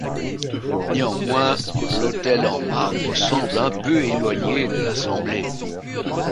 Néanmoins, l’autel en marbre semble un peu éloigné de l’assemblée.